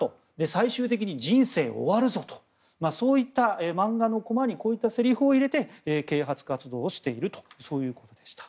最終的に人生終わるぞとそういった漫画のコマにこういったせりふを入れて啓発活動をしているとそういうことでした。